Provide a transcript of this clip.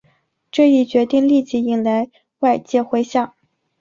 这一决定立即引来外界回响。